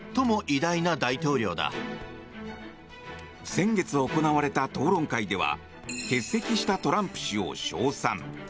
先月行われた討論会では欠席したトランプ氏を称賛。